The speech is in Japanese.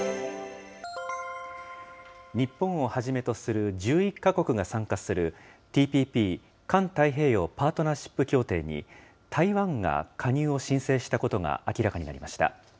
日本をはじめとする１１か国が参加するＴＰＰ・環太平洋パートナーシップ協定に、台湾が加入を申請したことが明らかになりました。